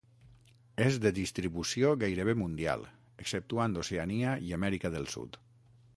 És de distribució gairebé mundial, exceptuant Oceania i Amèrica del Sud.